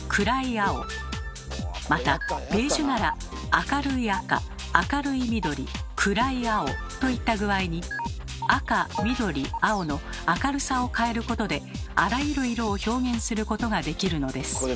またベージュなら明るい赤明るい緑暗い青といった具合に赤緑青の明るさを変えることであらゆる色を表現することができるのです。